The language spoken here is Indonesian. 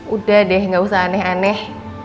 udah deh gak usah aneh aneh